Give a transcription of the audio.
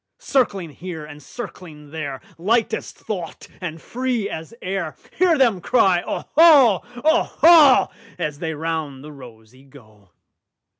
Circling here and circling there, Light as thought and free as air, Hear them cry, "Oho, oho,"As they round the rosey go.